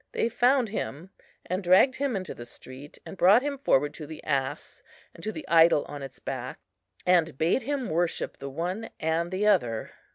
They found him, and dragged him into the street, and brought him forward to the ass, and to the idol on its back, and bade him worship the one and the other.